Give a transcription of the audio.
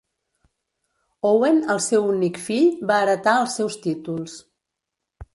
Owen, el seu únic fill, va heretar els seus títols.